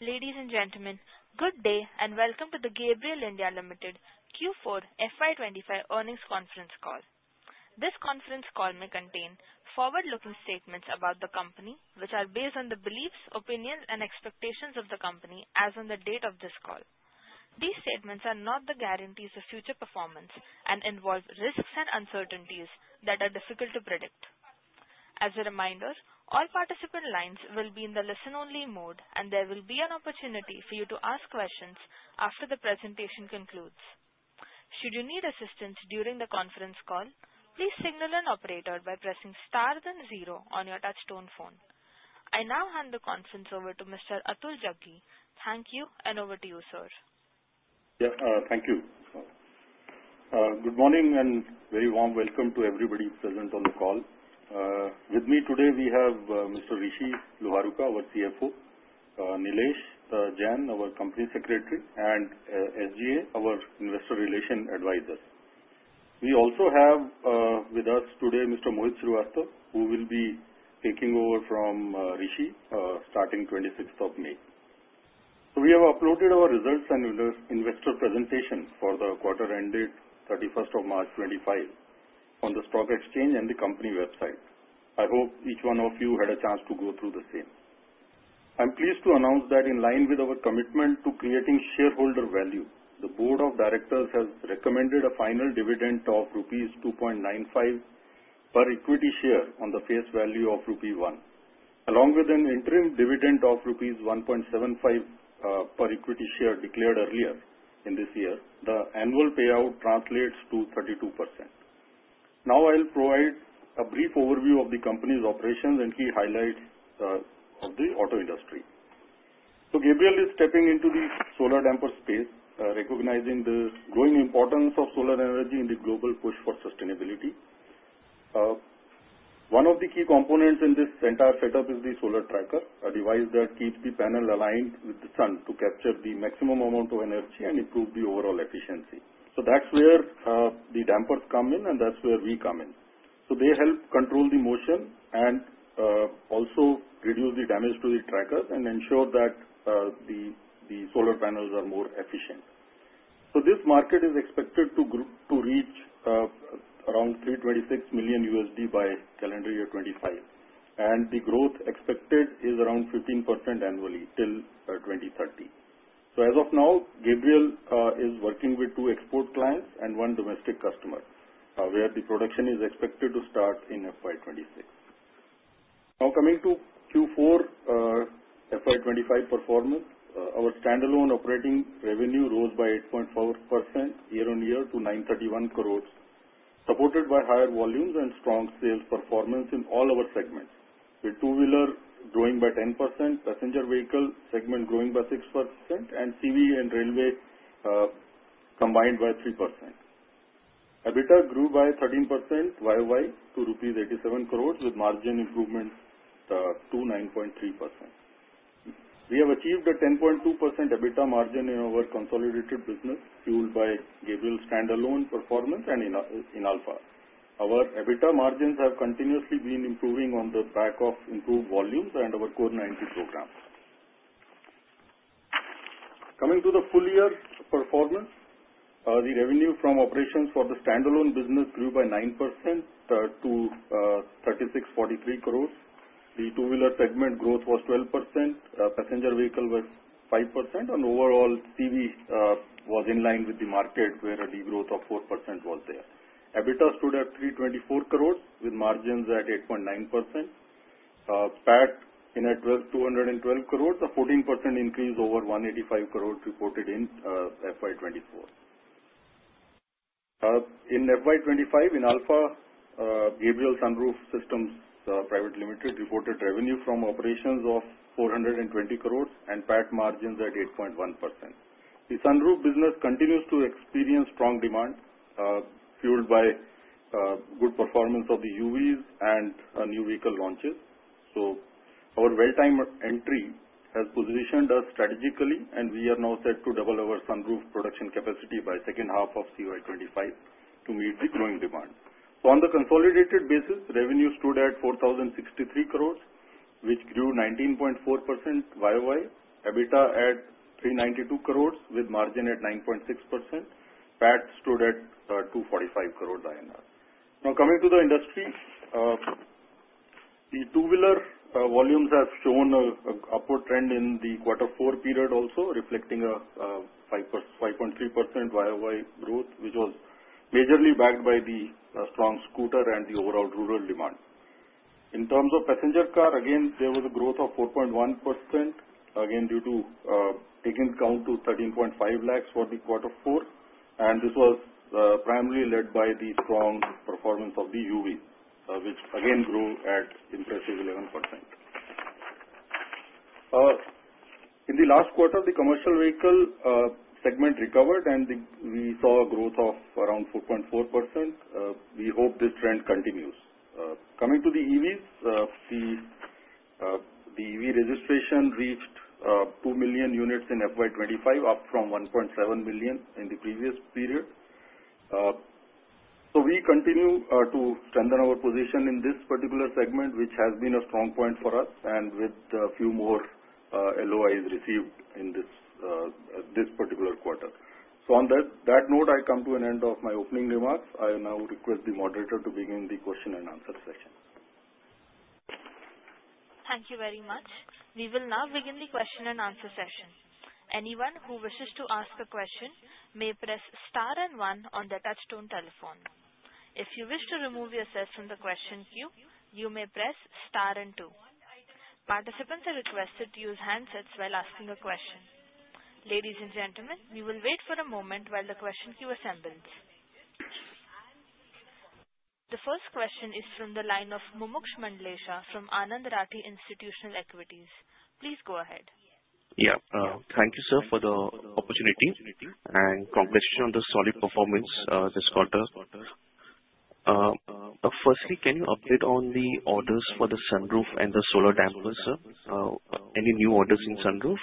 Ladies and gentlemen, good day and welcome to the Gabriel India Limited Q4 FY25 Earnings Conference call. This conference call may contain forward-looking statements about the company, which are based on the beliefs, opinions, and expectations of the company as of the date of this call. These statements are not the guarantees of future performance and involve risks and uncertainties that are difficult to predict. As a reminder, all participant lines will be in the listen-only mode, and there will be an opportunity for you to ask questions after the presentation concludes. Should you need assistance during the conference call, please signal an operator by pressing star then zero on your touch-tone phone. I now hand the conference over to Mr. Atul Jaggi. Thank you, and over to you, sir. Yep, thank you. Good morning and very warm welcome to everybody present on the call. With me today, we have Mr. Rishi Luharuka our CFO, Nilesh Jain our Company Secretary, and SGA, our investor relations advisor. We also have with us today Mr. Mohit Srivastava, who will be taking over from Rishi starting 26th of May. So we have uploaded our results and investor presentation for the quarter-ended 31st of March 2025 on the stock exchange and the company website. I hope each one of you had a chance to go through the same. I'm pleased to announce that in line with our commitment to creating shareholder value, the board of directors has recommended a final dividend of Rs. 2.95 per equity share on the face value of Rs. 1. Along with an interim dividend of Rs. 1.75 per equity share declared earlier in this year, the annual payout translates to 32%. Now, I'll provide a brief overview of the company's operations and key highlights of the auto industry. So Gabriel is stepping into the solar damper space, recognizing the growing importance of solar energy in the global push for sustainability. One of the key components in this entire setup is the solar tracker, a device that keeps the panel aligned with the sun to capture the maximum amount of energy and improve the overall efficiency. So that's where the dampers come in, and that's where we come in. So they help control the motion and also reduce the damage to the tracker and ensure that the solar panels are more efficient. So this market is expected to reach around $326 million by calendar year 2025, and the growth expected is around 15% annually till 2030. As of now, Gabriel is working with two export clients and one domestic customer, where the production is expected to start in FY26. Now, coming to Q4 FY25 performance, our standalone operating revenue rose by 8.4% year-on-year to 931 crores, supported by higher volumes and strong sales performance in all our segments, with two-wheeler growing by 10%, passenger vehicle segment growing by 6%, and TV and railway combined by 3%. EBITDA grew by 13% YoY to INR 87 crores, with margin improvement to 9.3%. We have achieved a 10.2% EBITDA margin in our consolidated business, fueled by Gabriel's standalone performance and in Inalfa. Our EBITDA margins have continuously been improving on the back of improved volumes and our Core 90 program. Coming to the full-year performance, the revenue from operations for the standalone business grew by 9% to 3,643 crores. The two-wheeler segment growth was 12%, passenger vehicle was 5%, and overall TV was in line with the market, where a degrowth of 4% was there. EBITDA stood at 324 crores, with margins at 8.9%. PAT in at 212 crores, a 14% increase over 185 crores reported in FY24. In FY25, Inalfa Gabriel Sunroof Systems Private Limited reported revenue from operations of 420 crores and PAT margins at 8.1%. The sunroof business continues to experience strong demand, fueled by good performance of the UVs and new vehicle launches. Our well-timed entry has positioned us strategically, and we are now set to double our sunroof production capacity by the second half of CY25 to meet the growing demand. On the consolidated basis, revenue stood at 4063 crores, which grew 19.4% YOY. EBITDA at 392 crores, with margin at 9.6%. PAT stood at 245 crores INR. Now, coming to the industry, the two-wheeler volumes have shown an upward trend in the quarter-four period also, reflecting a 5.3% YOY growth, which was majorly backed by the strong scooter and the overall rural demand. In terms of passenger car, again, there was a growth of 4.1%, again due to taking account to 13.5 lakhs for the quarter-four, and this was primarily led by the strong performance of the UVs, which again grew at an impressive 11%. In the last quarter, the commercial vehicle segment recovered, and we saw a growth of around 4.4%. We hope this trend continues. Coming to the EVs, the EV registration reached 2 million units in FY25, up from 1.7 million in the previous period. So we continue to strengthen our position in this particular segment, which has been a strong point for us, and with a few more LOIs received in this particular quarter. So on that note, I come to an end of my opening remarks. I now request the moderator to begin the question-and-answer session. Thank you very much. We will now begin the question-and-answer session. Anyone who wishes to ask a question may press star and one on the touch-tone telephone. If you wish to remove yourself from the question queue, you may press star and two. Participants are requested to use handsets while asking a question. Ladies and gentlemen, we will wait for a moment while the question queue assembles. The first question is from the line of Mumuksh Mandlesha from Anand Rathi Institutional Equities. Please go ahead. Yeah. Thank you, sir, for the opportunity, and congratulations on the solid performance this quarter. Firstly, can you update on the orders for the sunroof and the solar dampers, sir? Any new orders in sunroof,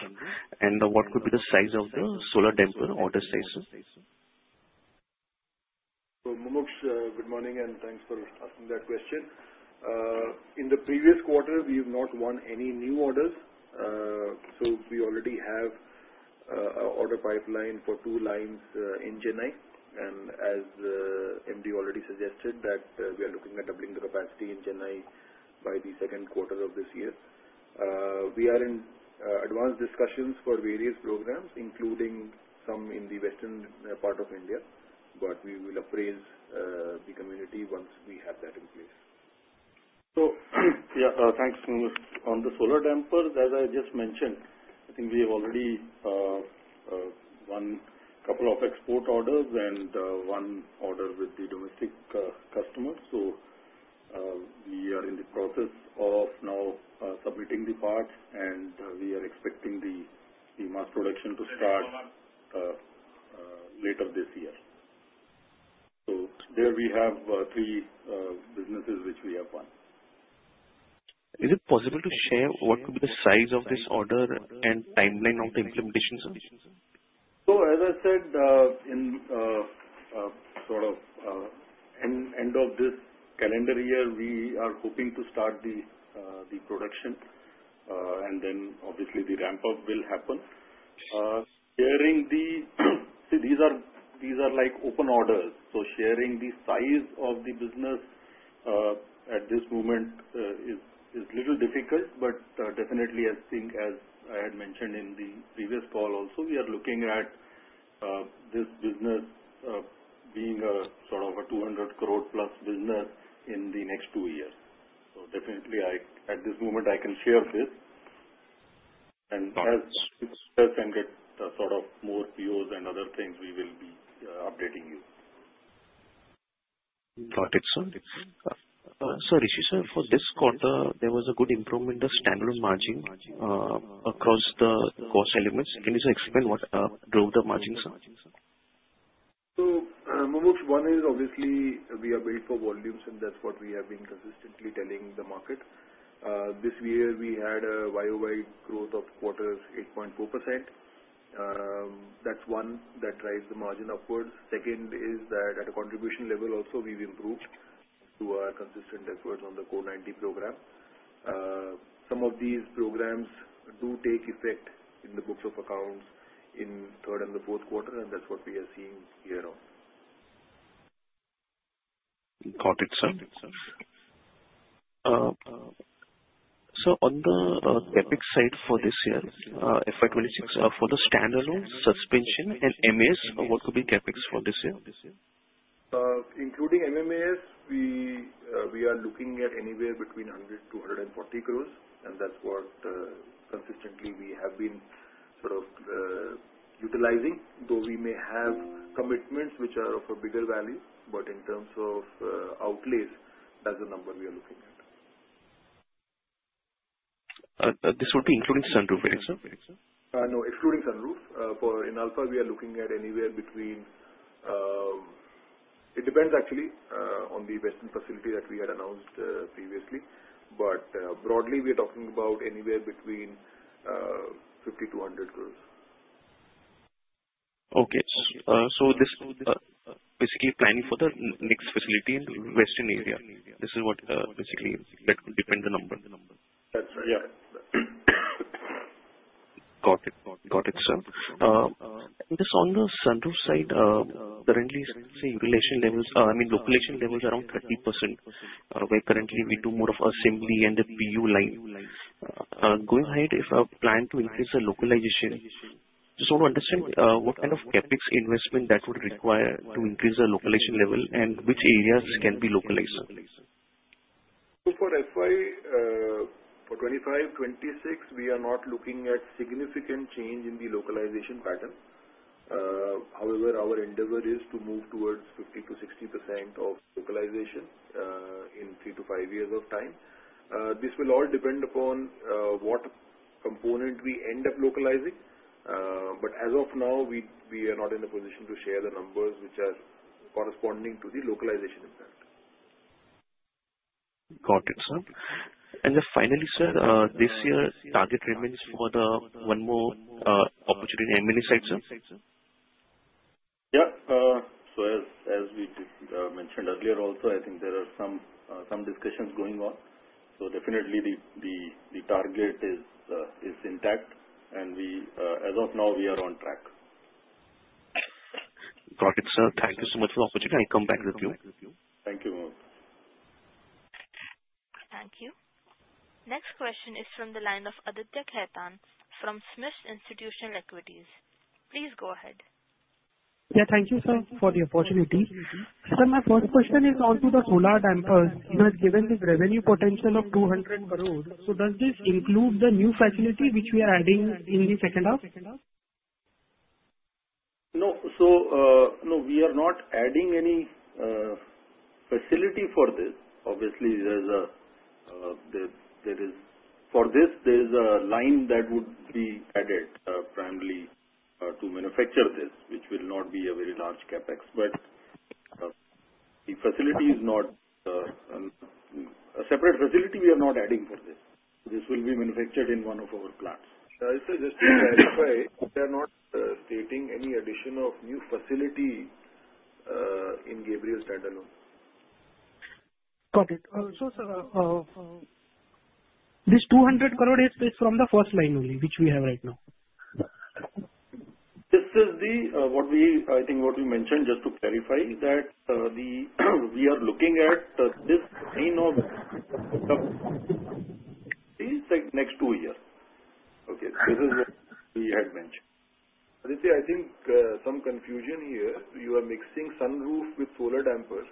and what could be the size of the solar damper order size, sir? Mumuksh, good morning, and thanks for asking that question. In the previous quarter, we have not won any new orders, so we already have an order pipeline for two lines in Chennai, and as MD already suggested, we are looking at doubling the capacity in Chennai by the second quarter of this year. We are in advanced discussions for various programs, including some in Western India, but we will apprise the community once we have that in place. So yeah, thanks. On the solar dampers, as I just mentioned, I think we have already won a couple of export orders and one order with the domestic customers. So we are in the process of now submitting the parts, and we are expecting the mass production to start later this year. So there we have three businesses which we have won. Is it possible to share what could be the size of this order and timeline of the implementation, sir? So as I said, in sort of end of this calendar year, we are hoping to start the production, and then obviously the ramp-up will happen. Sharing the-see, these are open orders, so sharing the size of the business at this moment is a little difficult, but definitely, I think, as I had mentioned in the previous call also, we are looking at this business being sort of a 200 crore-plus business in the next two years. So definitely, at this moment, I can share this. And as we can get sort of more POs and other things, we will be updating you. Got it. So Rishi, sir, for this quarter, there was a good improvement in the standalone margin across the cost elements. Can you explain what drove the margins, sir? Mumuksh, one is obviously we are built for volumes, and that's what we have been consistently telling the market. This year, we had a YOY growth of quarters, 8.4%. That's one that drives the margin upwards. Second is that at a contribution level also, we've improved through our consistent efforts on the Core 90 program. Some of these programs do take effect in the books of accounts in the third and the fourth quarter, and that's what we are seeing year-on. Got it, sir. So on the CapEx side for this year, FY26, for the standalone suspension and MAS, what could be CapEx for this year? Including MMAS, we are looking at anywhere between 100 to 140 crores, and that's what consistently we have been sort of utilizing, though we may have commitments which are of a bigger value, but in terms of outlays, that's the number we are looking at. This would be including sunroof, right, sir? No, excluding sunroof. In Inalfa, we are looking at anywhere between, it depends actually on the western facility that we had announced previously, but broadly, we are talking about anywhere between 50 to 100 crores. Okay, so this basically planning for the next facility in Western India. This is what basically that could depend the number. That's right. Yeah. Got it. Got it, sir. And just on the sunroof side, currently, I would say relation levels - I mean, localization levels around 30%, where currently we do more of assembly and the PU line. Going ahead, if I plan to increase the localization, just want to understand what kind of CapEx investment that would require to increase the localization level and which areas can be localized? For FY26, we are not looking at significant change in the localization pattern. However, our endeavor is to move towards 50%-60% of localization in three to five years of time. This will all depend upon what component we end up localizing, but as of now, we are not in a position to share the numbers which are corresponding to the localization impact. Got it, sir. And then finally, sir, this year's target remains for one more opportunity M&E side, sir? Yeah. So as we mentioned earlier also, I think there are some discussions going on. So definitely, the target is intact, and as of now, we are on track. Got it, sir. Thank you so much for the opportunity. I'll come back with you. Thank you. Thank you. Thank you. Next question is from the line of Aditya Khetan from SMIFS Institution Equities. Please go ahead. Yeah. Thank you, sir, for the opportunity. Sir, my first question is onto the solar dampers. You have given this revenue potential of 200 crores. So does this include the new facility which we are adding in the second half? No. So no, we are not adding any facility for this. Obviously, there is, for this, there is a line that would be added primarily to manufacture this, which will not be a very large CapEx. But the facility is not a separate facility we are not adding for this. This will be manufactured in one of our plants. I would say just to clarify, we are not starting any addition of new facility in Gabriel's standalone. Got it. So, sir, this 200 crore is from the first line only which we have right now? the, I think what we mentioned, just to clarify, that we are looking at this line of the next two years. Okay. This is what we had mentioned. Aditya, I think some confusion here. You are mixing sunroof with Solar dampers.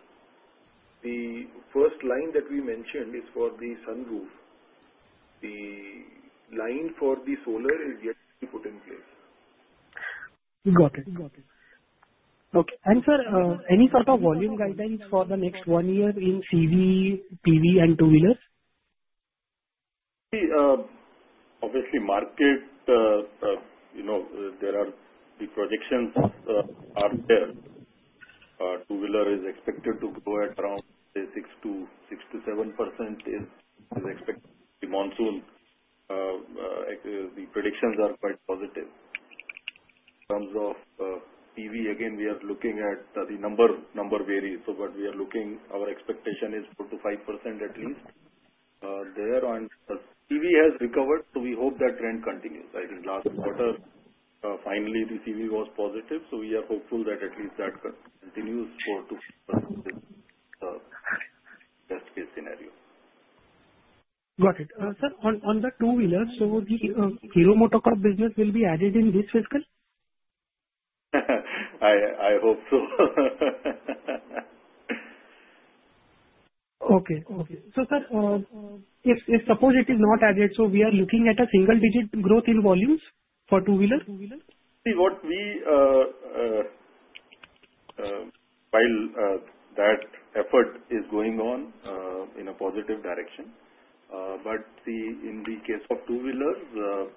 The first line that we mentioned is for the sunroof. The line for the Solar is yet to be put in place. Got it. Okay. And, sir, any sort of volume guidelines for the next one year in TV, PV, and two-wheelers? Obviously, market, there are the projections are there. Two-wheeler is expected to grow at around 6% to 7% is expected to be monsoon. The predictions are quite positive. In terms of PV, again, we are looking at the number varies. So what we are looking, our expectation is 4% to 5% at least. There on PV has recovered, so we hope that trend continues. I think last quarter, finally, the TV was positive, so we are hopeful that at least that continues 4% to 5% is the best-case scenario. Got it. Sir, on the two-wheelers, so the Hero MotoCorp business will be added in this fiscal? I hope so. Okay. So, sir, if suppose it is not added, so we are looking at a single-digit growth in volumes for two-wheeler? See, while that effort is going on in a positive direction, but see, in the case of two-wheelers,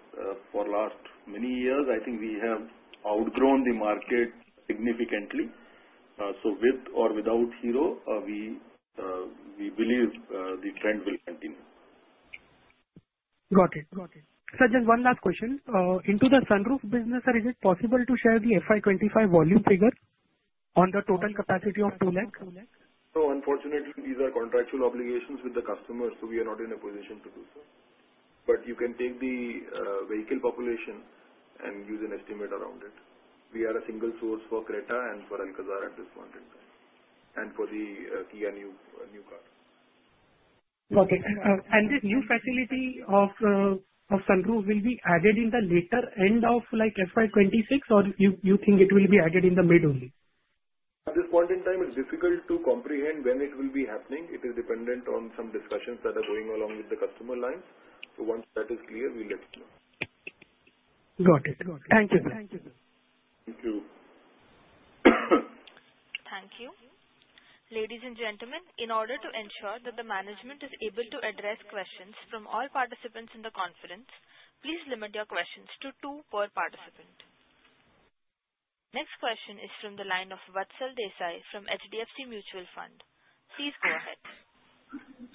for the last many years, I think we have outgrown the market significantly. So with or without Hero, we believe the trend will continue. Got it. Got it. Sir, just one last question. In the sunroof business, sir, is it possible to share the FY25 volume figure on the total capacity of two lakhs? No, unfortunately, these are contractual obligations with the customers, so we are not in a position to do so. But you can take the vehicle population and use an estimate around it. We are a single source for Creta and for Alcazar at this point in time, and for the Kia new car. Got it. And this new facility of sunroof will be added in the later end of FY26, or you think it will be added in the mid only? At this point in time, it's difficult to comprehend when it will be happening. It is dependent on some discussions that are going along with the customer lines. So once that is clear, we'll let you know. Got it. Thank you, sir. Thank you. Thank you. Ladies and gentlemen, in order to ensure that the management is able to address questions from all participants in the conference, please limit your questions to two per participant. Next question is from the line of Vatsal Desai from HDFC Mutual Fund. Please go ahead.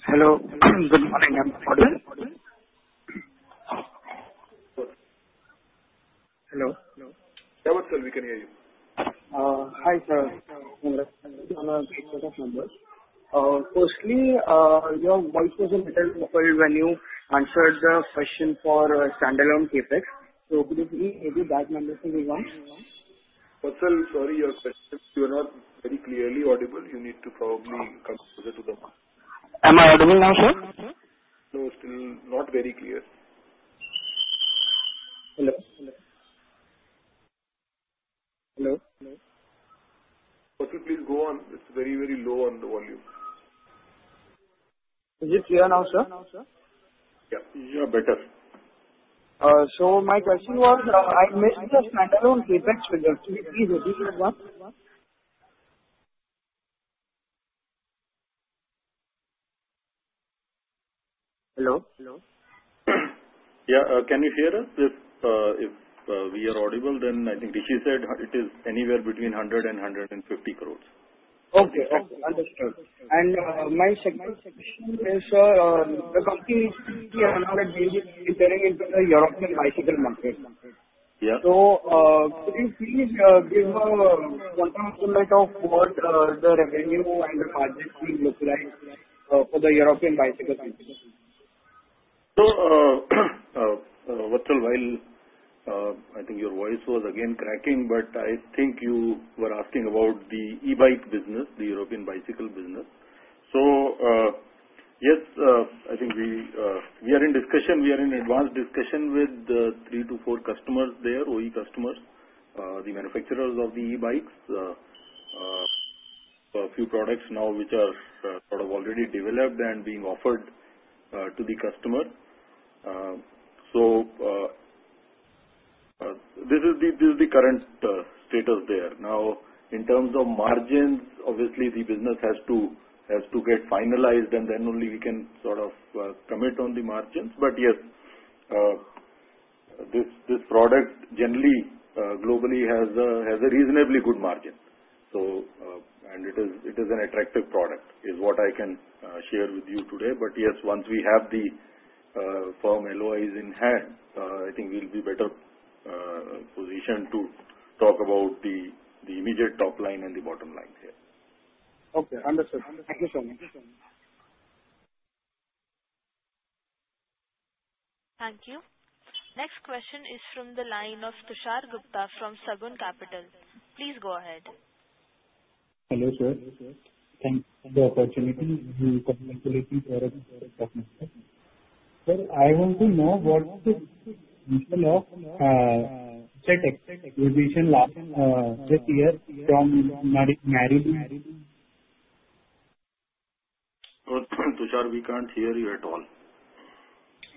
Hello. Good morning. I'm calling. Hello. Yeah, Vatsal, we can hear you. Hi, sir. I'm a successful member. Firstly, your voice was a little muffled when you answered the question for standalone CapEx, so could you please maybe back my message once? Vatsal, sorry, your question was not very clearly audible. You need to probably come closer to the mic. Am I audible now, sir? No, still not very clear. Hello. Hello. Vatsal, please go on. It's very, very low on the volume. Is it clear now, sir? Yeah. You are better. So my question was, I missed the standalone CapEx figure. Could you please repeat that one? Hello. Yeah. Can you hear us? If we are audible, then I think Rishi said it is anywhere between 100 and 150 crores. Okay. Okay. Understood. And my second question is, sir, the company is currently entering into the European bicycle market. So could you please give a quantum estimate of what the revenue and the margin will look like for the European bicycle market? So, Vatsal, while I think your voice was again cracking, but I think you were asking about the e-bike business, the European bicycle business. So yes, I think we are in discussion. We are in advanced discussion with the three to four customers there, OE customers, the manufacturers of the e-bikes, a few products now which are sort of already developed and being offered to the customer. So this is the current status there. Now, in terms of margins, obviously, the business has to get finalized, and then only we can sort of commit on the margins. But yes, this product generally globally has a reasonably good margin. And it is an attractive product is what I can share with you today. But yes, once we have the firm LOIs in hand, I think we'll be better positioned to talk about the immediate top line and the bottom line here. Okay. Understood. Thank you, sir. Thank you. Next question is from the line of Tushar Gupta from Sagun Capital. Please go ahead. Hello, sir. Thank you for the opportunity. I'm congratulating for a partnership. Sir, I want to know what's the future of Asset acquisition this year from Marelli? Tushar, we can't hear you at all.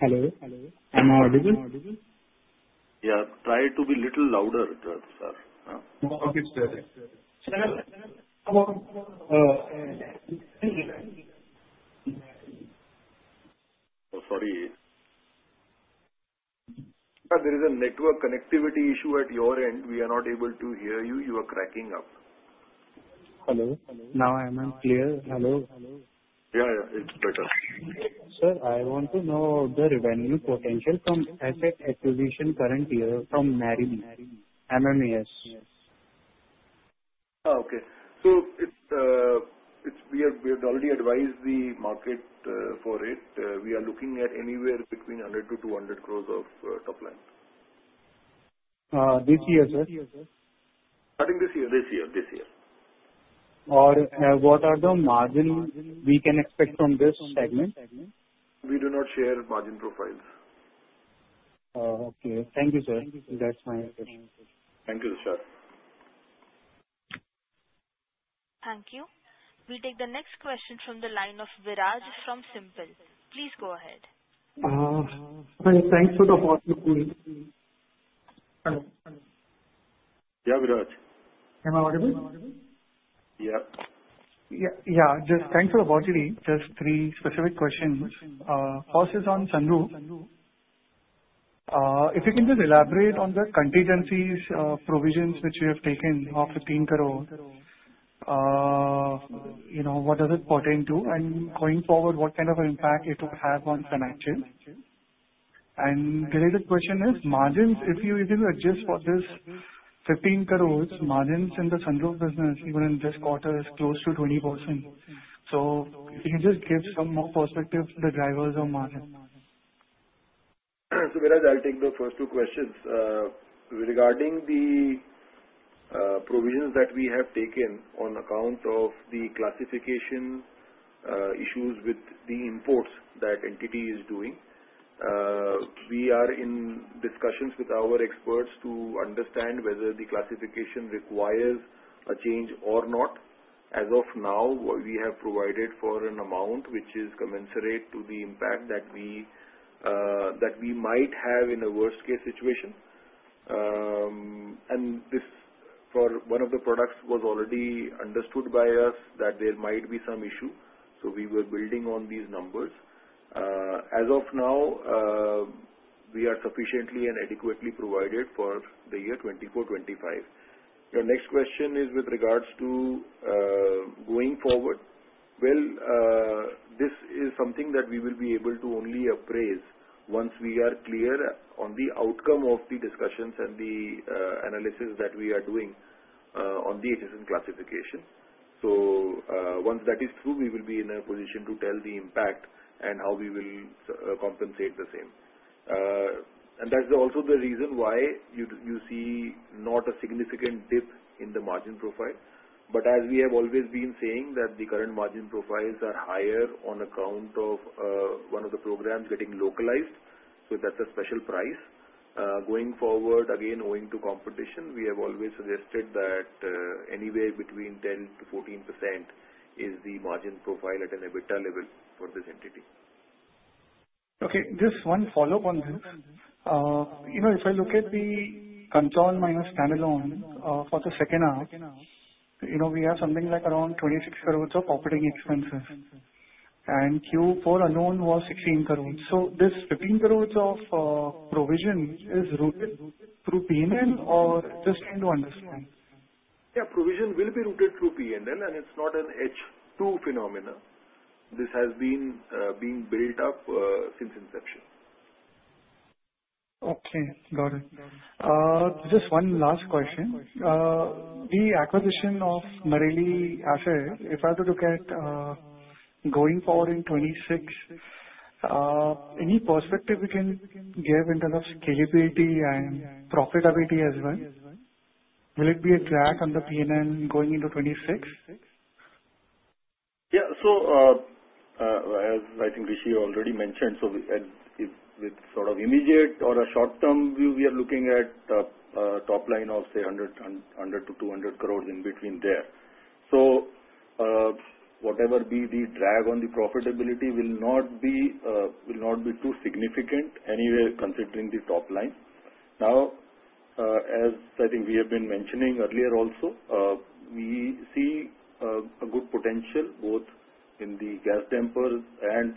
Hello? I'm audible? Yeah. Try to be a little louder, sir. Okay. Oh, sorry. There is a network connectivity issue at your end. We are not able to hear you. You are cracking up. Hello. Now I'm clear. Hello. Yeah. Yeah. It's better. Sir, I want to know the revenue potential from Asset Acquisition current year from Marelli MMAS. Okay. So we had already advised the market for it. We are looking at anywhere between 100 to 200 crores of top line. This year, sir? Starting this year. Or what are the margins we can expect from this segment? We do not share margin profiles. Okay. Thank you, sir. That's my question. Thank you, sir. Thank you. We take the next question from the line of Viraj from SiMPL. Please go ahead. Thanks for the opportunity. Yeah, Viraj? Am I audible? Yeah. Yeah. Just thanks for the opportunity. Just three specific questions. First is on sunroof. If you can just elaborate on the contingencies, provisions which you have taken of 15 crores, what does it pertain to? And going forward, what kind of an impact it will have on financial? And related question is margins. If you adjust for this 15 crores, margins in the sunroof business, even in this quarter, is close to 20%. So if you can just give some more perspective to the drivers of margins. So Viraj, I'll take the first two questions. Regarding the provisions that we have taken on account of the classification issues with the imports that entity is doing, we are in discussions with our experts to understand whether the classification requires a change or not. As of now, we have provided for an amount which is commensurate to the impact that we might have in a worst-case situation. And for one of the products, it was already understood by us that there might be some issue. So we were building on these numbers. As of now, we are sufficiently and adequately provided for the year 2024-2025. Your next question is with regards to going forward. Well, this is something that we will be able to only appraise once we are clear on the outcome of the discussions and the analysis that we are doing on the HSN classification. So once that is through, we will be in a position to tell the impact and how we will compensate the same. And that's also the reason why you see not a significant dip in the margin profile. But as we have always been saying, that the current margin profiles are higher on account of one of the programs getting localized. So that's a special price. Going forward, again, owing to competition, we have always suggested that anywhere between 10% to 14% is the margin profile at an EBITDA level for this entity. Okay. Just one follow-up on this. If I look at the consolidated minus standalone for the second half, we have something like around 26 crores of operating expenses. And Q4 alone was 16 crores. So this 15 crores of provision is routed through P&L or just trying to understand? Yeah. Provision will be routed through P&L, and it's not an H2 phenomenon. This has been being built up since inception. Okay. Got it. Just one last question. The acquisition of Marelli assets, if I were to look at going forward in 26, any perspective we can give in terms of scalability and profitability as well? Will it be a drag on the P&L going into 26? Yeah. So as I think Rishi already mentioned, so with sort of immediate or a short-term view, we are looking at top line of, say, 100 to 200 crores in between there. So whatever be the drag on the profitability will not be too significant anywhere considering the top line. Now, as I think we have been mentioning earlier also, we see a good potential both in the gas dampers and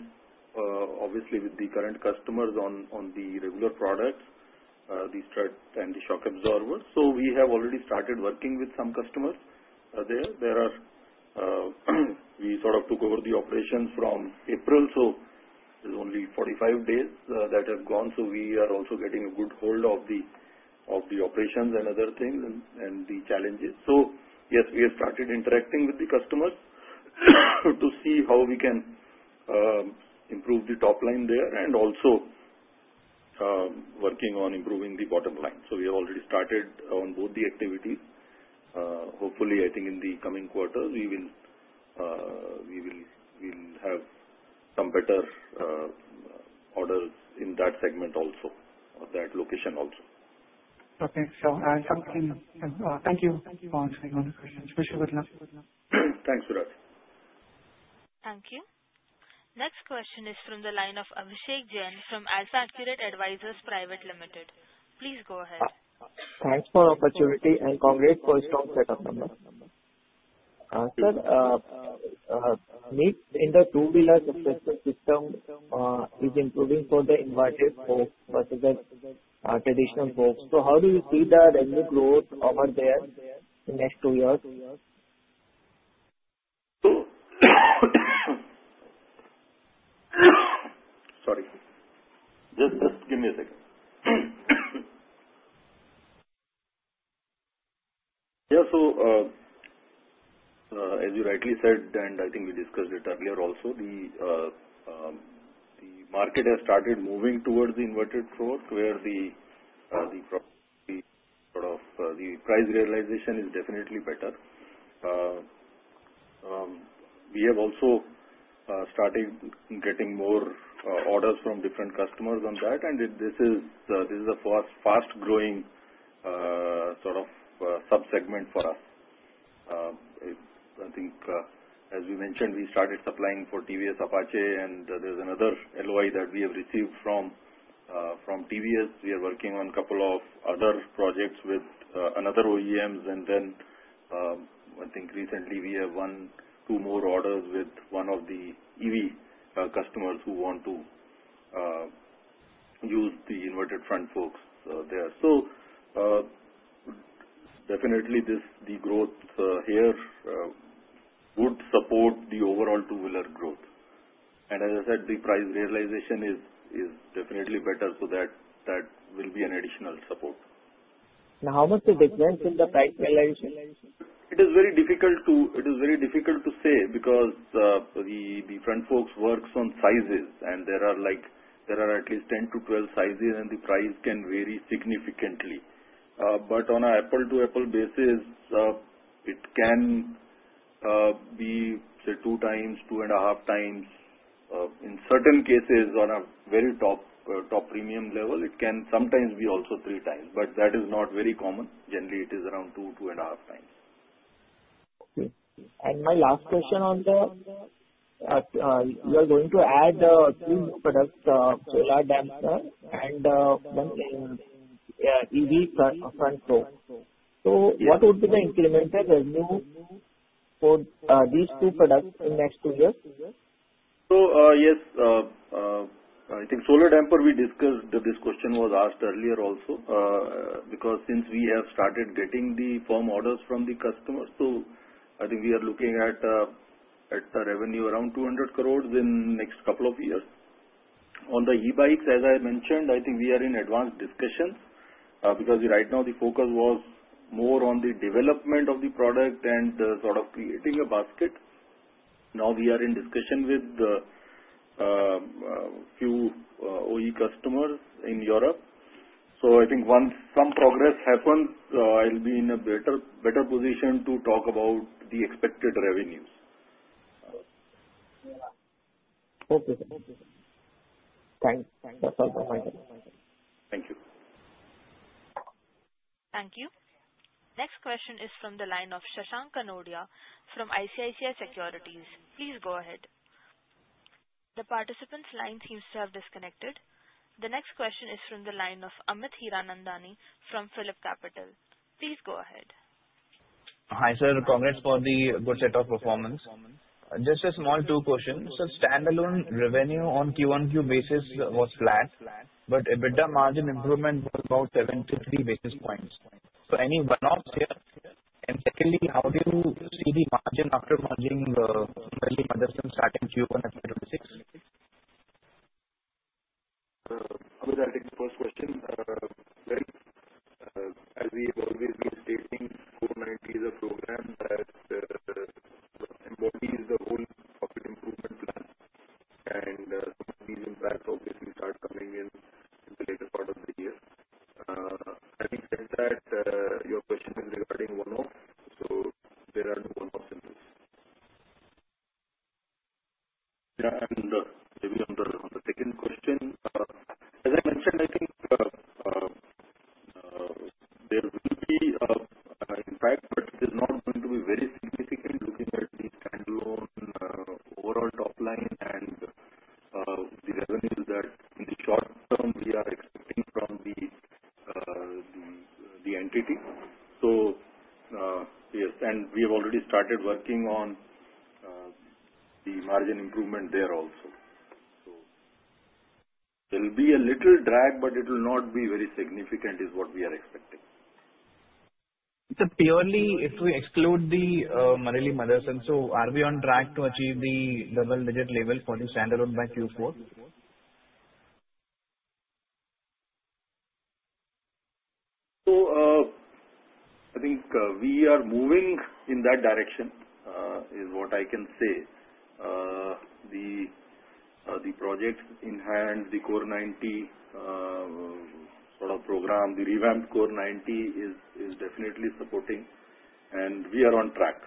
obviously with the current customers on the regular products, the strut and the shock absorbers. So we have already started working with some customers there. We sort of took over the operations from April, so there's only 45 days that have gone. So we are also getting a good hold of the operations and other things and the challenges. So yes, we have started interacting with the customers to see how we can improve the top line there and also working on improving the bottom line. So we have already started on both the activities. Hopefully, I think in the coming quarter, we will have some better orders in that segment also, that location also. Okay. Thank you for answering all the questions. Wish you good luck. Thanks, Viraj. Thank you. Next question is from the line of Abhishek Jain from AlfAccurate Advisors Private Limited. Please go ahead. Thanks for the opportunity and congrats for a strong setup, sir. Sir, penetration [it] in the two-wheeler suspension system is improving for the inverted forks versus the traditional forks. So how do you see the revenue growth over there in the next two years? Sorry. Just give me a second. Yeah. So as you rightly said, and I think we discussed it earlier also, the market has started moving towards the inverted fork where the sort of the price realization is definitely better. We have also started getting more orders from different customers on that. And this is the fast-growing sort of subsegment for us. I think, as we mentioned, we started supplying for TVS Apache, and there's another LOI that we have received from TVS. We are working on a couple of other projects with another OEMs. And then I think recently we have one or two more orders with one of the EV customers who want to use the inverted front forks there. So definitely, the growth here would support the overall two-wheeler growth. And as I said, the price realization is definitely better, so that will be an additional support. Now, how much is the difference in the price realization? It is very difficult to say because the front forks work on sizes, and there are at least 10 to 12 sizes, and the price can vary significantly. But on an apple-to-apple basis, it can be, say, two times, two and a half times. In certain cases, on a very top premium level, it can sometimes be also three times. But that is not very common. Generally, it is around two, two and a half times. Okay. And my last question on that, you are going to add two products, solar damper and one EV front fork. So what would be the incremental revenue for these two products in the next two years? So yes, I think solar damper, we discussed this. The question was asked earlier also because since we have started getting the firm orders from the customers, so I think we are looking at a revenue around 200 crores in the next couple of years. On the e-bikes, as I mentioned, I think we are in advanced discussions because right now the focus was more on the development of the product and sort of creating a basket. Now we are in discussion with a few OE customers in Europe. So I think once some progress happens, I'll be in a better position to talk about the expected revenues. Okay. Thanks. Thank you. Thank you. Next question is from the line of Shashank Kanodia from ICICI Securities. Please go ahead. The participant's line seems to have disconnected. The next question is from the line of Amit Hiranandani from PhillipCapital. Please go ahead. Hi, sir. Congrats for the good setup performance. Just a small two questions. So standalone revenue on Q1Q basis was flat, but EBITDA margin improvement was about 73 basis points. So any one-offs here? And secondly, how do you see the margin after merging Marelli Motherson starting Q1 at 26? Amit, I think the first question, as we have always been stating, Core 90 is a program that embodies the whole profit improvement plan, and these drag, but it will not be very significant is what we are expecting. Purely if we exclude the Marelli Motherson, so are we on track to achieve the double-digit level for the standalone by Q4? So I think we are moving in that direction is what I can say. The projects in hand, the Core 90 sort of program, the revamped Core 90 is definitely supporting, and we are on track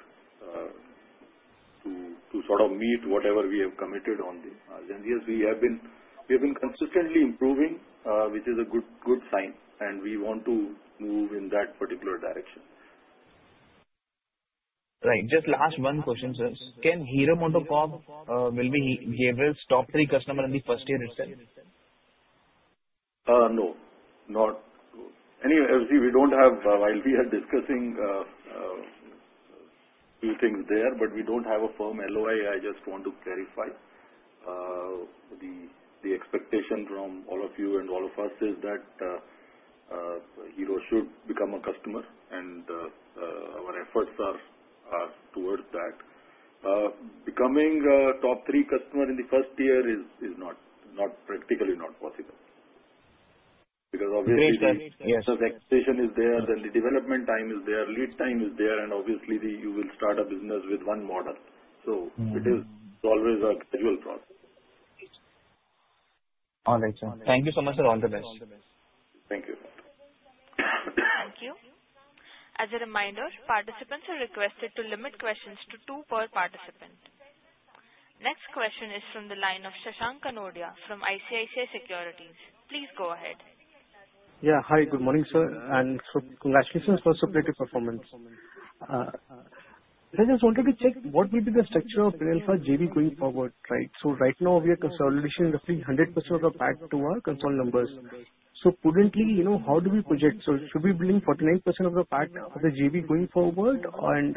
to sort of meet whatever we have committed on this. We have been consistently improving, which is a good sign, and we want to move in that particular direction. Right. Just last one question, sir. Can Hero MotoCorp will be gave us top three customers in the first year itself? No. Anyway, we don't have while we are discussing a few things there, but we don't have a firm LOI. I just want to clarify. The expectation from all of you and all of us is that Hero should become a customer, and our efforts are towards that. Becoming a top three customer in the first year is practically not possible because obviously. Very challenging. The expectation is there, then the development time is there, lead time is there, and obviously you will start a business with one model. So it is always a gradual process. All right, sir. Thank you so much for all the best. Thank you. Thank you. As a reminder, participants are requested to limit questions to two per participant. Next question is from the line of Shashank Kanodia from ICICI Securities. Please go ahead. Yeah. Hi, good morning, sir. And so congratulations for the superlative performance. I just wanted to check what will be the structure of P&L for JV going forward, right? So right now, we are consolidating roughly 100% of the P&L to our consolidation numbers. So prudently, how do we project? So should we be building 49% of the P&L for the JV going forward? And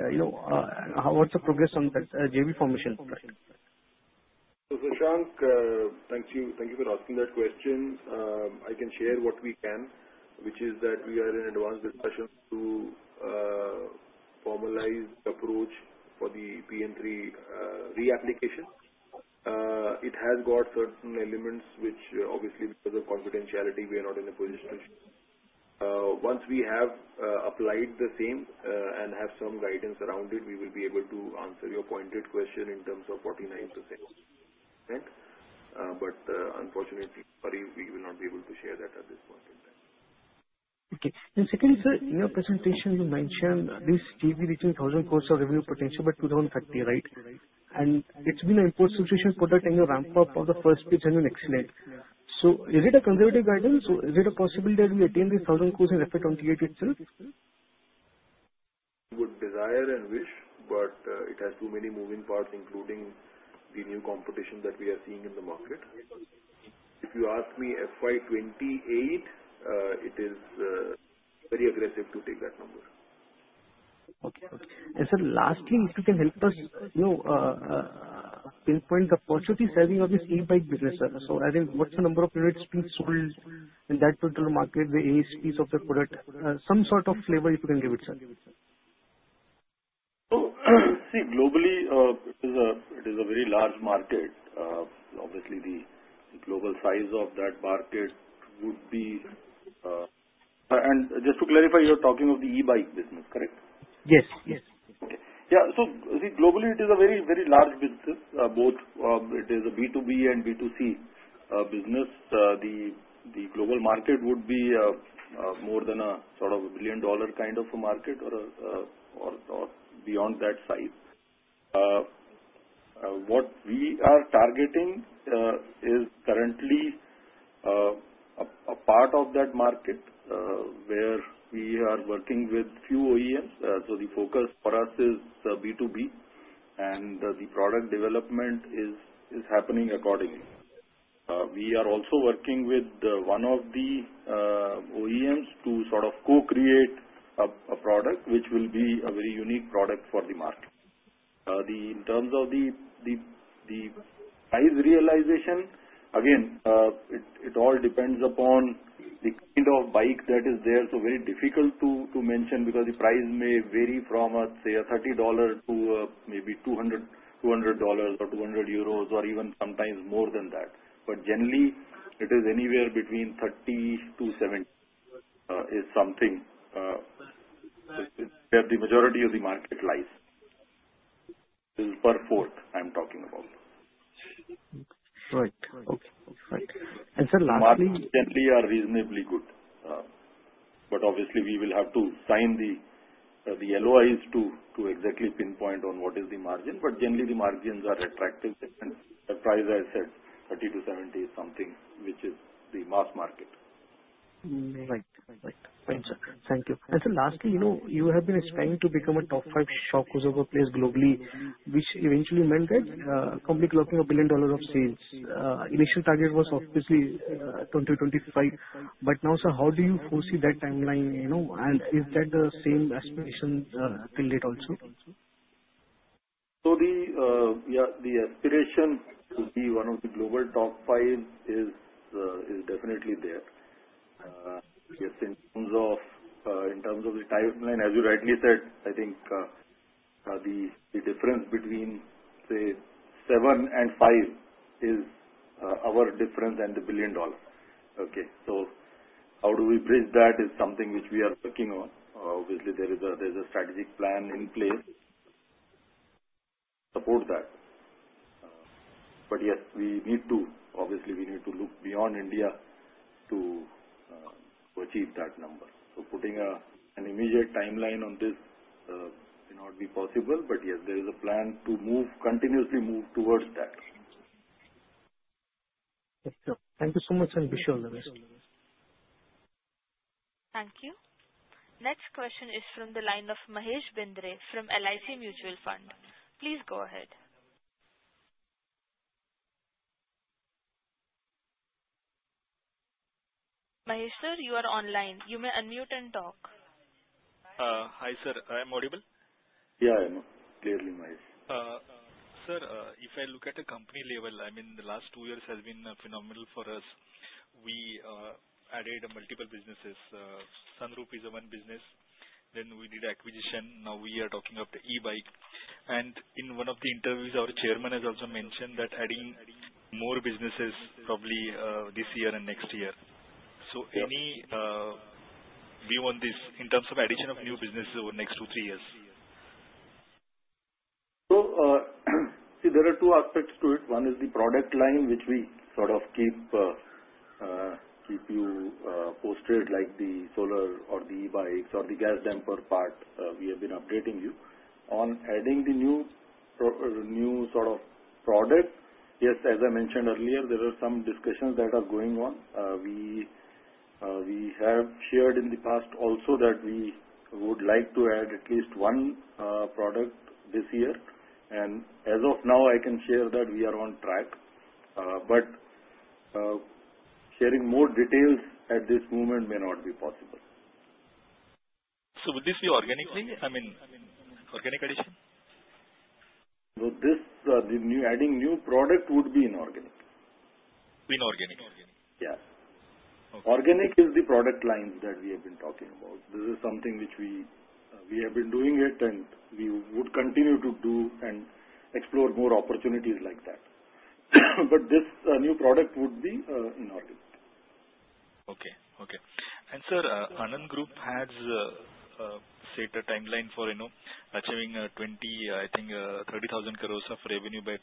what's the progress on the JV formation? So Shashank, thank you for asking that question. I can share what we can, which is that we are in advanced discussions to formalize the approach for the PN3 reapplication. It has got certain elements which, obviously, because of confidentiality, we are not in a position to share. Once we have applied the same and have some guidance around it, we will be able to answer your pointed question in terms of 49%. But unfortunately, sorry, we will not be able to share that at this point in time. Okay. And secondly, sir, in your presentation, you mentioned this JV reaching 1,000 crores of revenue potential by 2030, right? And it's been an important situation for that in the ramp-up of the first stage and an excellent. So is it a conservative guidance? So is it a possibility that we attain these 1,000 crores in FY2028 itself? We would desire and wish, but it has too many moving parts, including the new competition that we are seeing in the market. If you ask me FY28, it is very aggressive to take that number. Okay. And, sir, lastly, if you can help us pinpoint the purchasing of this e-bike business, sir. So, I think, what's the number of units being sold in that particular market, the ASPs of the product? Some sort of flavor if you can give it, sir. So see, globally, it is a very large market. Obviously, the global size of that market would be, and just to clarify, you're talking of the e-bike business, correct? Yes. Yes. Yeah. So see, globally, it is a very, very large business. Both it is a B2B and B2C business. The global market would be more than a sort of a billion-dollar kind of a market or beyond that size. What we are targeting is currently a part of that market where we are working with few OEMs. So the focus for us is B2B, and the product development is happening accordingly. We are also working with one of the OEMs to sort of co-create a product which will be a very unique product for the market. In terms of the price realization, again, it all depends upon the kind of bike that is there. So very difficult to mention because the price may vary from, let's say, $30 to maybe $200 or 200 euros or even sometimes more than that. But generally, it is anywhere between 30 to 70, something where the majority of the market lies. It is per fork I'm talking about. Right. Okay. Right. And sir, lastly. Margins generally are reasonably good, but obviously, we will have to sign the LOIs to exactly pinpoint on what is the margin, but generally, the margins are attractive, and the price, as I said, 30 to 70 is something which is the mass market. Right. Right. Thank you. And sir, lastly, you have been aspiring to become a top five shock absorber player globally, which eventually meant that company clocking $1 billion of sales. Initial target was obviously 2025. But now, sir, how do you foresee that timeline? And is that the same aspiration till date also? The aspiration to be one of the global top five is definitely there. Yes. In terms of the timeline, as you rightly said, I think the difference between, say, seven and five is our difference and $1 billion. Okay. So how do we bridge that is something which we are working on. Obviously, there is a strategic plan in place to support that. But yes, we need to, obviously, we need to look beyond India to achieve that number. So putting an immediate timeline on this may not be possible, but yes, there is a plan to continuously move towards that. Thank you so much, sir. And wish you all the best. Thank you. Next question is from the line of Mahesh Bendre from LIC Mutual Fund. Please go ahead. Mahesh sir, you are online. You may unmute and talk. Hi, sir. I am audible? Yeah, I am. Clearly, Mahesh. Sir, if I look at a company level, I mean, the last two years has been phenomenal for us. We added multiple businesses. Sunroof is a one business. Then we did acquisition. Now we are talking of the e-bike. And in one of the interviews, our chairman has also mentioned that adding more businesses probably this year and next year. So we want this in terms of addition of new businesses over the next two, three years. So see, there are two aspects to it. One is the product line which we sort of keep you posted like the solar or the e-bikes or the gas damper part. We have been updating you on adding the new sort of product. Yes, as I mentioned earlier, there are some discussions that are going on. We have shared in the past also that we would like to add at least one product this year. And as of now, I can share that we are on track. But sharing more details at this moment may not be possible. So would this be organically? I mean, organic addition? Adding new product would be inorganic. In organic. Yeah. Inorganic is the product line that we have been talking about. This is something which we have been doing it, and we would continue to do and explore more opportunities like that. But this new product would be inorganic. Okay. And sir, Anand Group has set a timeline for achieving 20, I think 30,000 crores of revenue by 2030,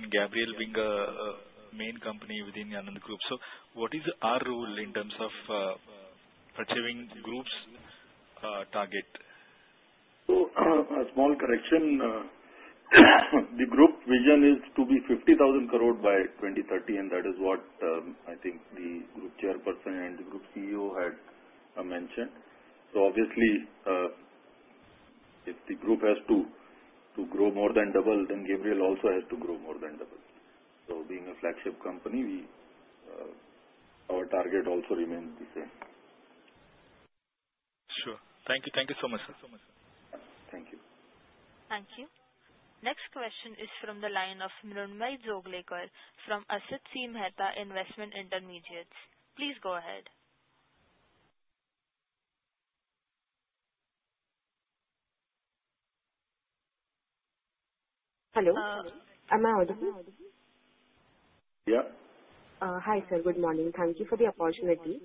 and Gabriel being a main company within Anand Group. So what is our role in terms of achieving the group's target? So a small correction. The group vision is to be 50,000 crores by 2030, and that is what I think the group chairperson and the group CEO had mentioned. So obviously, if the group has to grow more than double, then Gabriel also has to grow more than double. So being a flagship company, our target also remains the same. Sure. Thank you. Thank you so much, sir. Thank you. Thank you. Next question is from the line of Mrunmayee Joglekar from Asit C. Mehta Investment Intermediates. Please go ahead. Hello. I'm audible. Yeah. Hi, sir. Good morning. Thank you for the opportunity.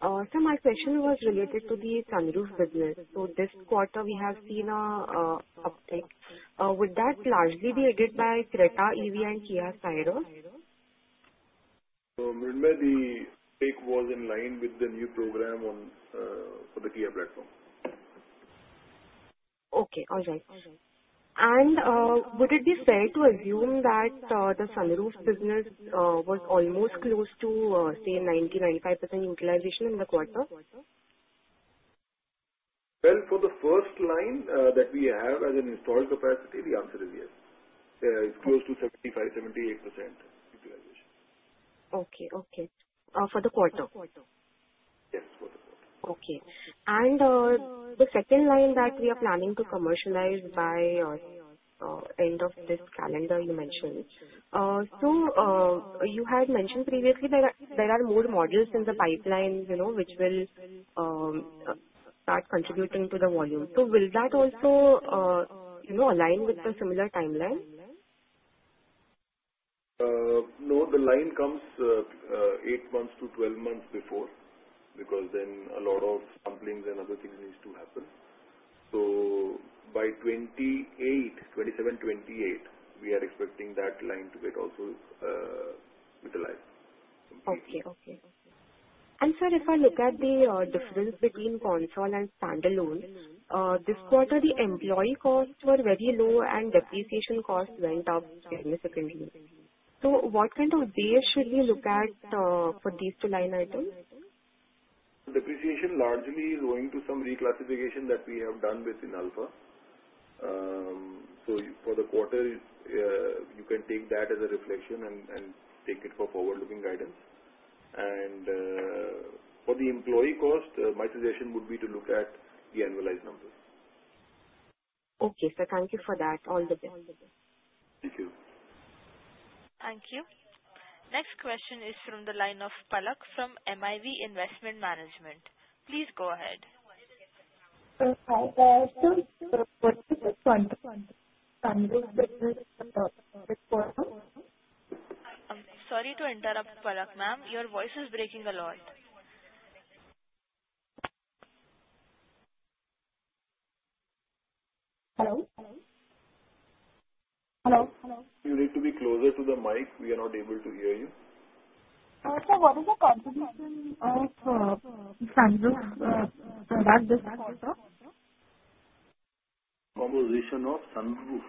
Sir, my question was related to the sunroof business. So this quarter, we have seen an uptick. Would that largely be aided by Creta EV and Kia Syros? So Mrunmayee, the uptick was in line with the new program for the Kia platform. Okay. All right. And would it be fair to assume that the sunroof business was almost close to, say, 90% to 95% utilization in the quarter? For the first line that we have as an installed capacity, the answer is yes. It's close to 75% to 78% utilization. Okay. Okay. For the quarter? Yes. For the quarter. Okay, and the second line that we are planning to commercialize by end of this calendar you mentioned, so you had mentioned previously that there are more models in the pipeline which will start contributing to the volume, so will that also align with the similar timeline? No. The line comes 8 months to 12 months before because then a lot of samplings and other things need to happen. So by 2027, 2028, we are expecting that line to get also utilized. Okay. And sir, if I look at the difference between consolidated and standalone, this quarter, the employee costs were very low and depreciation costs went up significantly. So what kind of base should we look at for these two line items? Depreciation largely is going to some reclassification that we have done within Alpha, so for the quarter, you can take that as a reflection and take it for forward-looking guidance, and for the employee cost, my suggestion would be to look at the annualized numbers. Okay. So thank you for that. All the best. Thank you. Thank you. Next question is from the line of Palak from MIV Investment Management. Please go ahead. Sorry to interrupt, Palak ma'am. Your voice is breaking a lot. Hello? Hello? You need to be closer to the mic. We are not able to hear you. Sir, what is the composition of sunroof product this quarter? Composition of sunroof?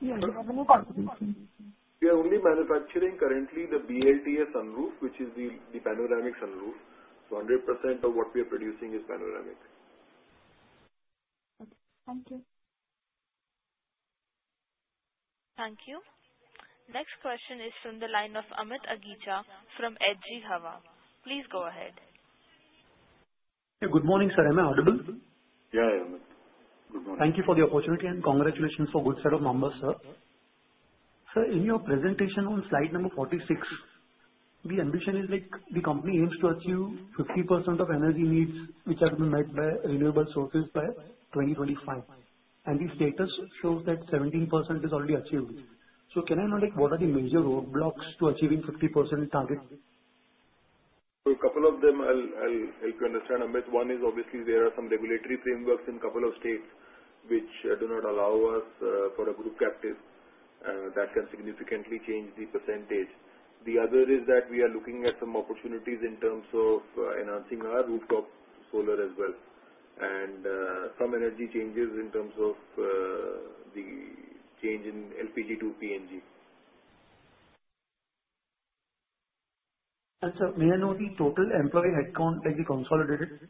Yes. We are only manufacturing currently the BLTS sunroof, which is the panoramic sunroof. So 100% of what we are producing is panoramic. Okay. Thank you. Thank you. Next question is from the line of Amit Agicha from Edgee Hava. Please go ahead. Good morning, sir. Am I audible? Thank you for the opportunity and congratulations for a good set of numbers, sir. Sir, in your presentation on slide number 46, the ambition is the company aims to achieve 50% of energy needs which are to be met by renewable sources by 2025. And the status shows that 17% is already achieved. So can I know what are the major roadblocks to achieving 50% target? So, a couple of them I'll help you understand, Amit. One is obviously there are some regulatory frameworks in a couple of states which do not allow us for a group captive. That can significantly change the percentage. The other is that we are looking at some opportunities in terms of enhancing our rooftop solar as well and some energy changes in terms of the change in LPG to PNG. Sir, may I know the total employee headcount that you consolidated?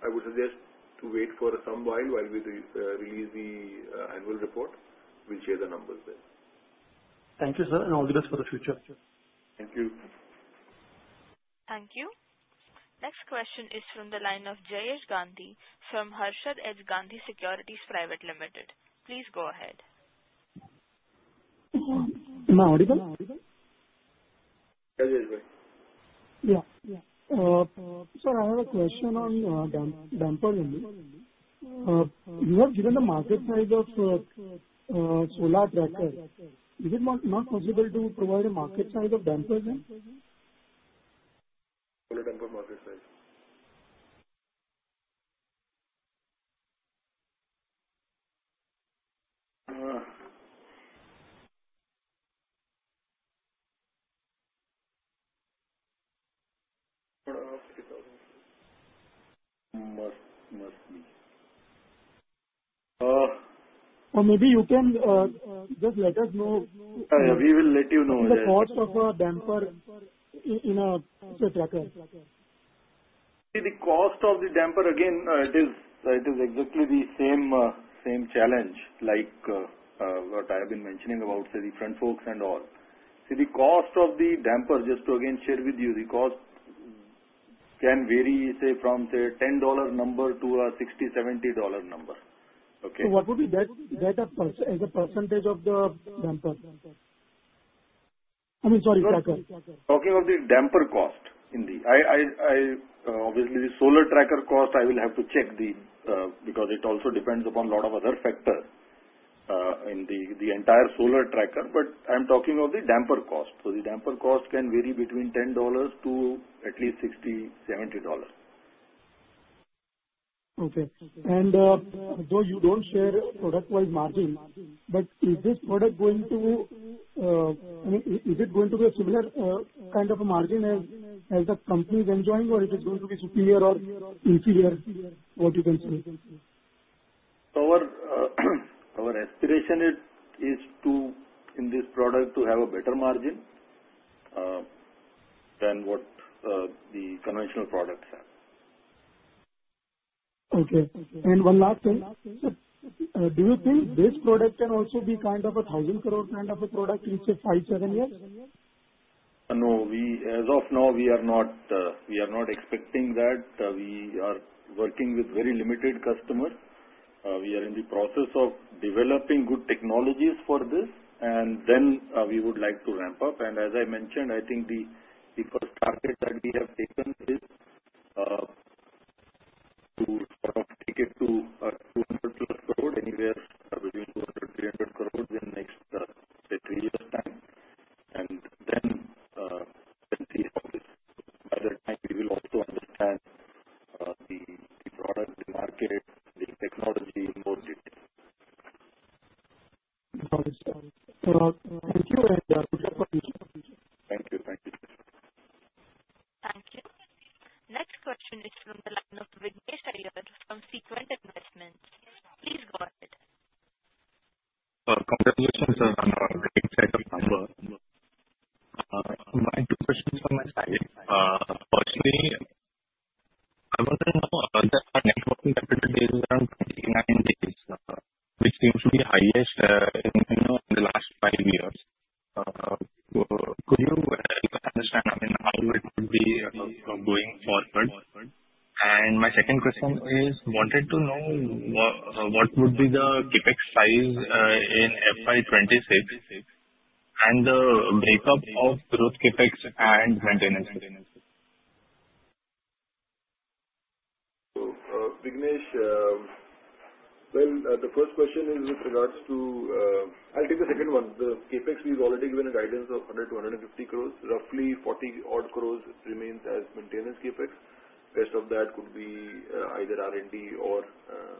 I would suggest to wait for some while we release the annual report. We'll share the numbers then. Thank you, sir. And all the best for the future. Thank you. Thank you. Next question is from the line of Jayesh Gandhi from Harshad H. Gandhi Securities Private Limited. Please go ahead. Am I audible? Jayesh, go ahead. Yeah. Sir, I have a question on dampers. You have given the market size of solar trackers. Is it not possible to provide a market size of dampers? Solar damper market size? Must be. Or maybe you can just let us know. Yeah. We will let you know. The cost of a damper in a tracker? See, the cost of the damper, again, it is exactly the same challenge like what I have been mentioning about, say, the front forks and all. See, the cost of the damper, just to again share with you, the cost can vary, say, from, say, $10 number to a $60 to $70 number. Okay. So what would be that as a percentage of the damper? I mean, sorry, tracker. Talking of the damper cost, obviously, the solar tracker cost, I will have to check because it also depends upon a lot of other factors in the entire solar tracker. But I'm talking of the damper cost. So the damper cost can vary between $10 to at least $60 to $70. Okay, and though you don't share product-wise margin, but is this product going to, I mean, is it going to be a similar kind of a margin as the company is enjoying, or it is going to be superior or inferior? What do you consider? Our aspiration[estimation] is in this product to have a better margin than what the conventional products have. Okay. And one last thing. Do you think this product can also be kind of a thousand crore kind of a product in, say, five, seven years? No. As of now, we are not expecting that. We are working with very limited customers. We are in the process of developing good technologies for this, and then we would like to ramp up. And as I mentioned, I think the first target that we have taken is to sort of take it to 200 plus crores, anywhere between 200 to 300 crores in the next, say, three years' time. And then see how it is. By that time, we will also understand the product, the market, the technology in more detail. Thank you and good luck for the future. Thank you. Thank you, sir. Thank you. Next question is from the line of Vignesh Iyer from Sequent Investments. Please go ahead. Congratulations, sir. I'm very excited. My two questions from my side. Personally, I want to know that our net working capital is around 29 days, which seems to be highest in the last five years. Could you help me understand, I mean, how it would be going forward? And my second question is I wanted to know what would be the CapEx size in FY26 and the breakup of growth CapEx and maintenance? So Vignesh, well, the first question is with regards to. I'll take the second one. The CapEx, we've already given a guidance of 100 to 150 crores. Roughly 40-odd crores remains as maintenance CapEx. The rest of that could be either R&D or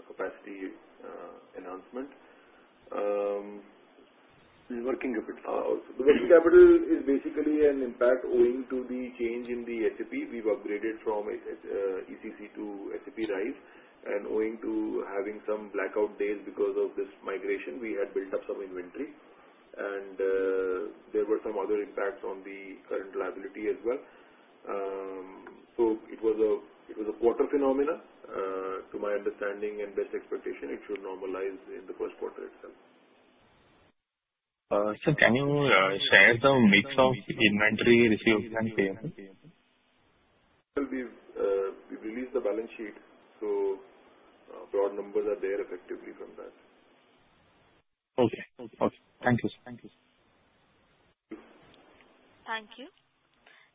capacity enhancement. The working capital. The working capital is basically an impact owing to the change in the SAP. We've upgraded from ECC to SAP RISE, and owing to having some blackout days because of this migration, we had built up some inventory, and there were some other impacts on the current liability as well, so it was a quarter phenomenon. To my understanding and best expectation, it should normalize in the first quarter itself. Sir, can you share the mix of inventory receivables and payables? We've released the balance sheet, so broad numbers are there effectively from that. Okay. Okay. Thank you, sir. Thank you. Thank you.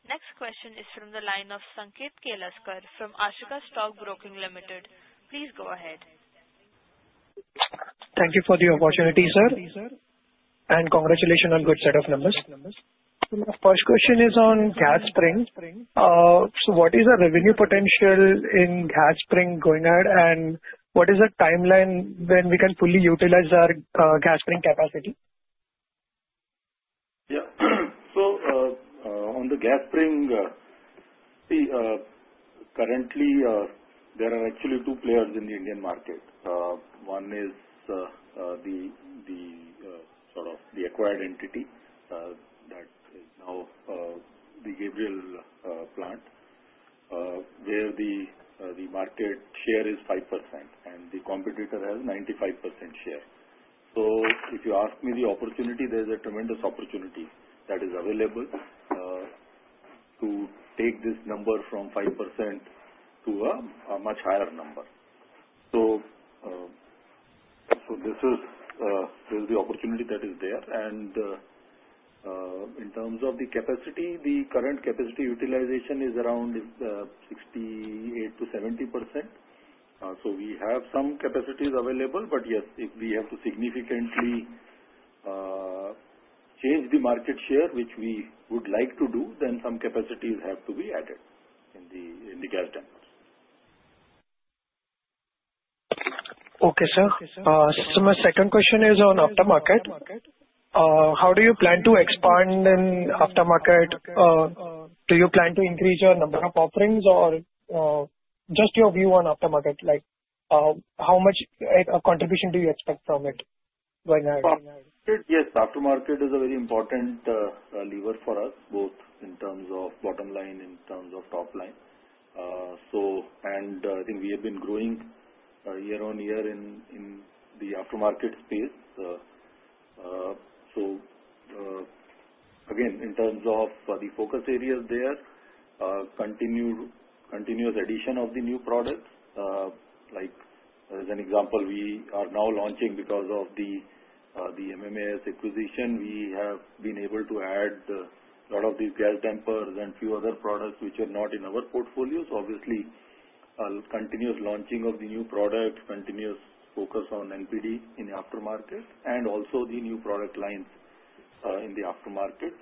Next question is from the line of Sanket Kelaskar from Ashika Stock Broking Ltd. Please go ahead. Thank you for the opportunity, sir. And congratulations on a good set of numbers. My first question is on gas spring. So what is the revenue potential in gas spring going ahead, and what is the timeline when we can fully utilize our gas spring capacity? Yeah. So on the gas spring, see, currently, there are actually two players in the Indian market. One is the sort of the acquired entity that is now the Gabriel plant, where the market share is 5%, and the competitor has 95% share. So if you ask me the opportunity, there is a tremendous opportunity that is available to take this number from 5% to a much higher number. So this is the opportunity that is there. And in terms of the capacity, the current capacity utilization is around 68%-70%. So we have some capacities available, but yes, if we have to significantly change the market share, which we would like to do, then some capacities have to be added in the gas dampers. Okay, sir. Sir, my second question is on aftermarket. How do you plan to expand in aftermarket? Do you plan to increase your number of offerings or just your view on aftermarket? How much contribution do you expect from it going ahead? Yes. Aftermarket is a very important lever for us, both in terms of bottom line, in terms of top line. I think we have been growing year on year in the aftermarket space. Again, in terms of the focus areas there, continuous addition of the new products. As an example, we are now launching because of the MMS acquisition. We have been able to add a lot of these gas dampers and a few other products which are not in our portfolio. Obviously, continuous launching of the new product, continuous focus on NPD in the aftermarket, and also the new product lines in the aftermarket.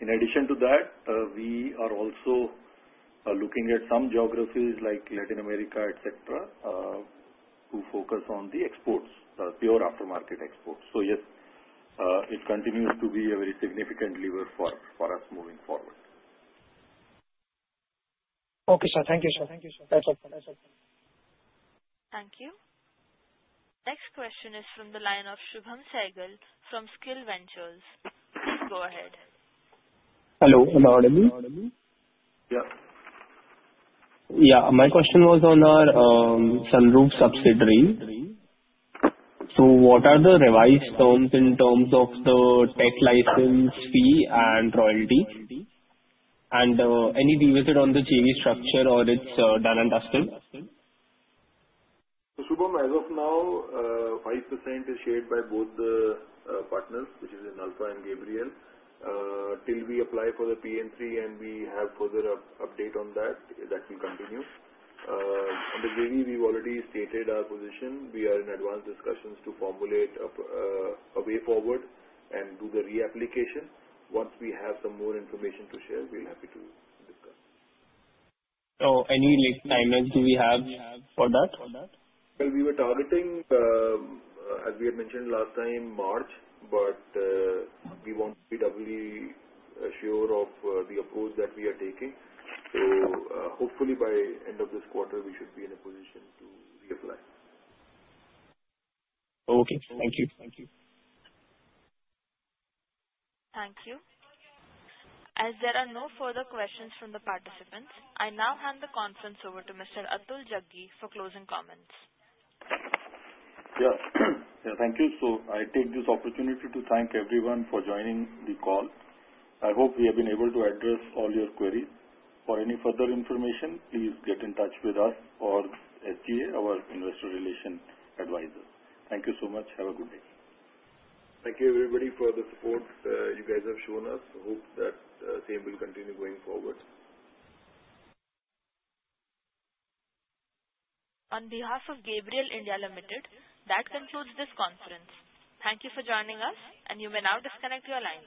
In addition to that, we are also looking at some geographies like Latin America, etc., to focus on the exports, pure aftermarket exports. Yes, it continues to be a very significant lever for us moving forward. Okay, sir. Thank you, sir. That's all. Thank you. Next question is from the line of Shubham Sehgal from Skill Ventures. Please go ahead. Hello. Am I audible? Yeah. Yeah. My question was on our sunroof subsidiary. So what are the revised terms in terms of the tech license fee and royalty? And any revisit on the JV structure or it's done and dusted? So Shubham, as of now, 5% is shared by both the partners, which is in Inalfa and Gabriel. Till we apply for the PN3 and we have further update on that, that will continue. On the JV, we've already stated our position. We are in advanced discussions to formulate a way forward and do the reapplication. Once we have some more information to share, we'll happy to discuss. So, any lead times do we have for that? We were targeting, as we had mentioned last time, March, but we want to be doubly sure of the approach that we are taking. Hopefully, by end of this quarter, we should be in a position to reapply. Okay. Thank you. Thank you. As there are no further questions from the participants, I now hand the conference over to Mr. Atul Jaggi for closing comments. Yeah. Thank you. So I take this opportunity to thank everyone for joining the call. I hope we have been able to address all your queries. For any further information, please get in touch with us or SGA, our investor relations advisor. Thank you so much. Have a good day. Thank you, everybody, for the support you guys have shown us. Hope that same will continue going forward. On behalf of Gabriel India Limited, that concludes this conference. Thank you for joining us, and you may now disconnect your line.